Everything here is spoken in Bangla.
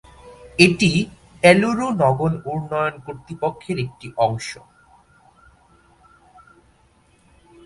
এটি এলুরু নগর উন্নয়ন কর্তৃপক্ষের একটি অংশ।